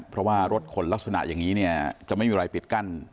เพราะว่ารถขนลักษณะอย่างนี้เนี่ยจะไม่มีอะไรปิดกั้น